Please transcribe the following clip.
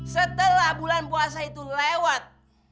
setelah bulan puasa itu lewat